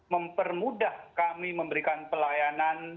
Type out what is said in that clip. mempermudah kami memberikan pelayanan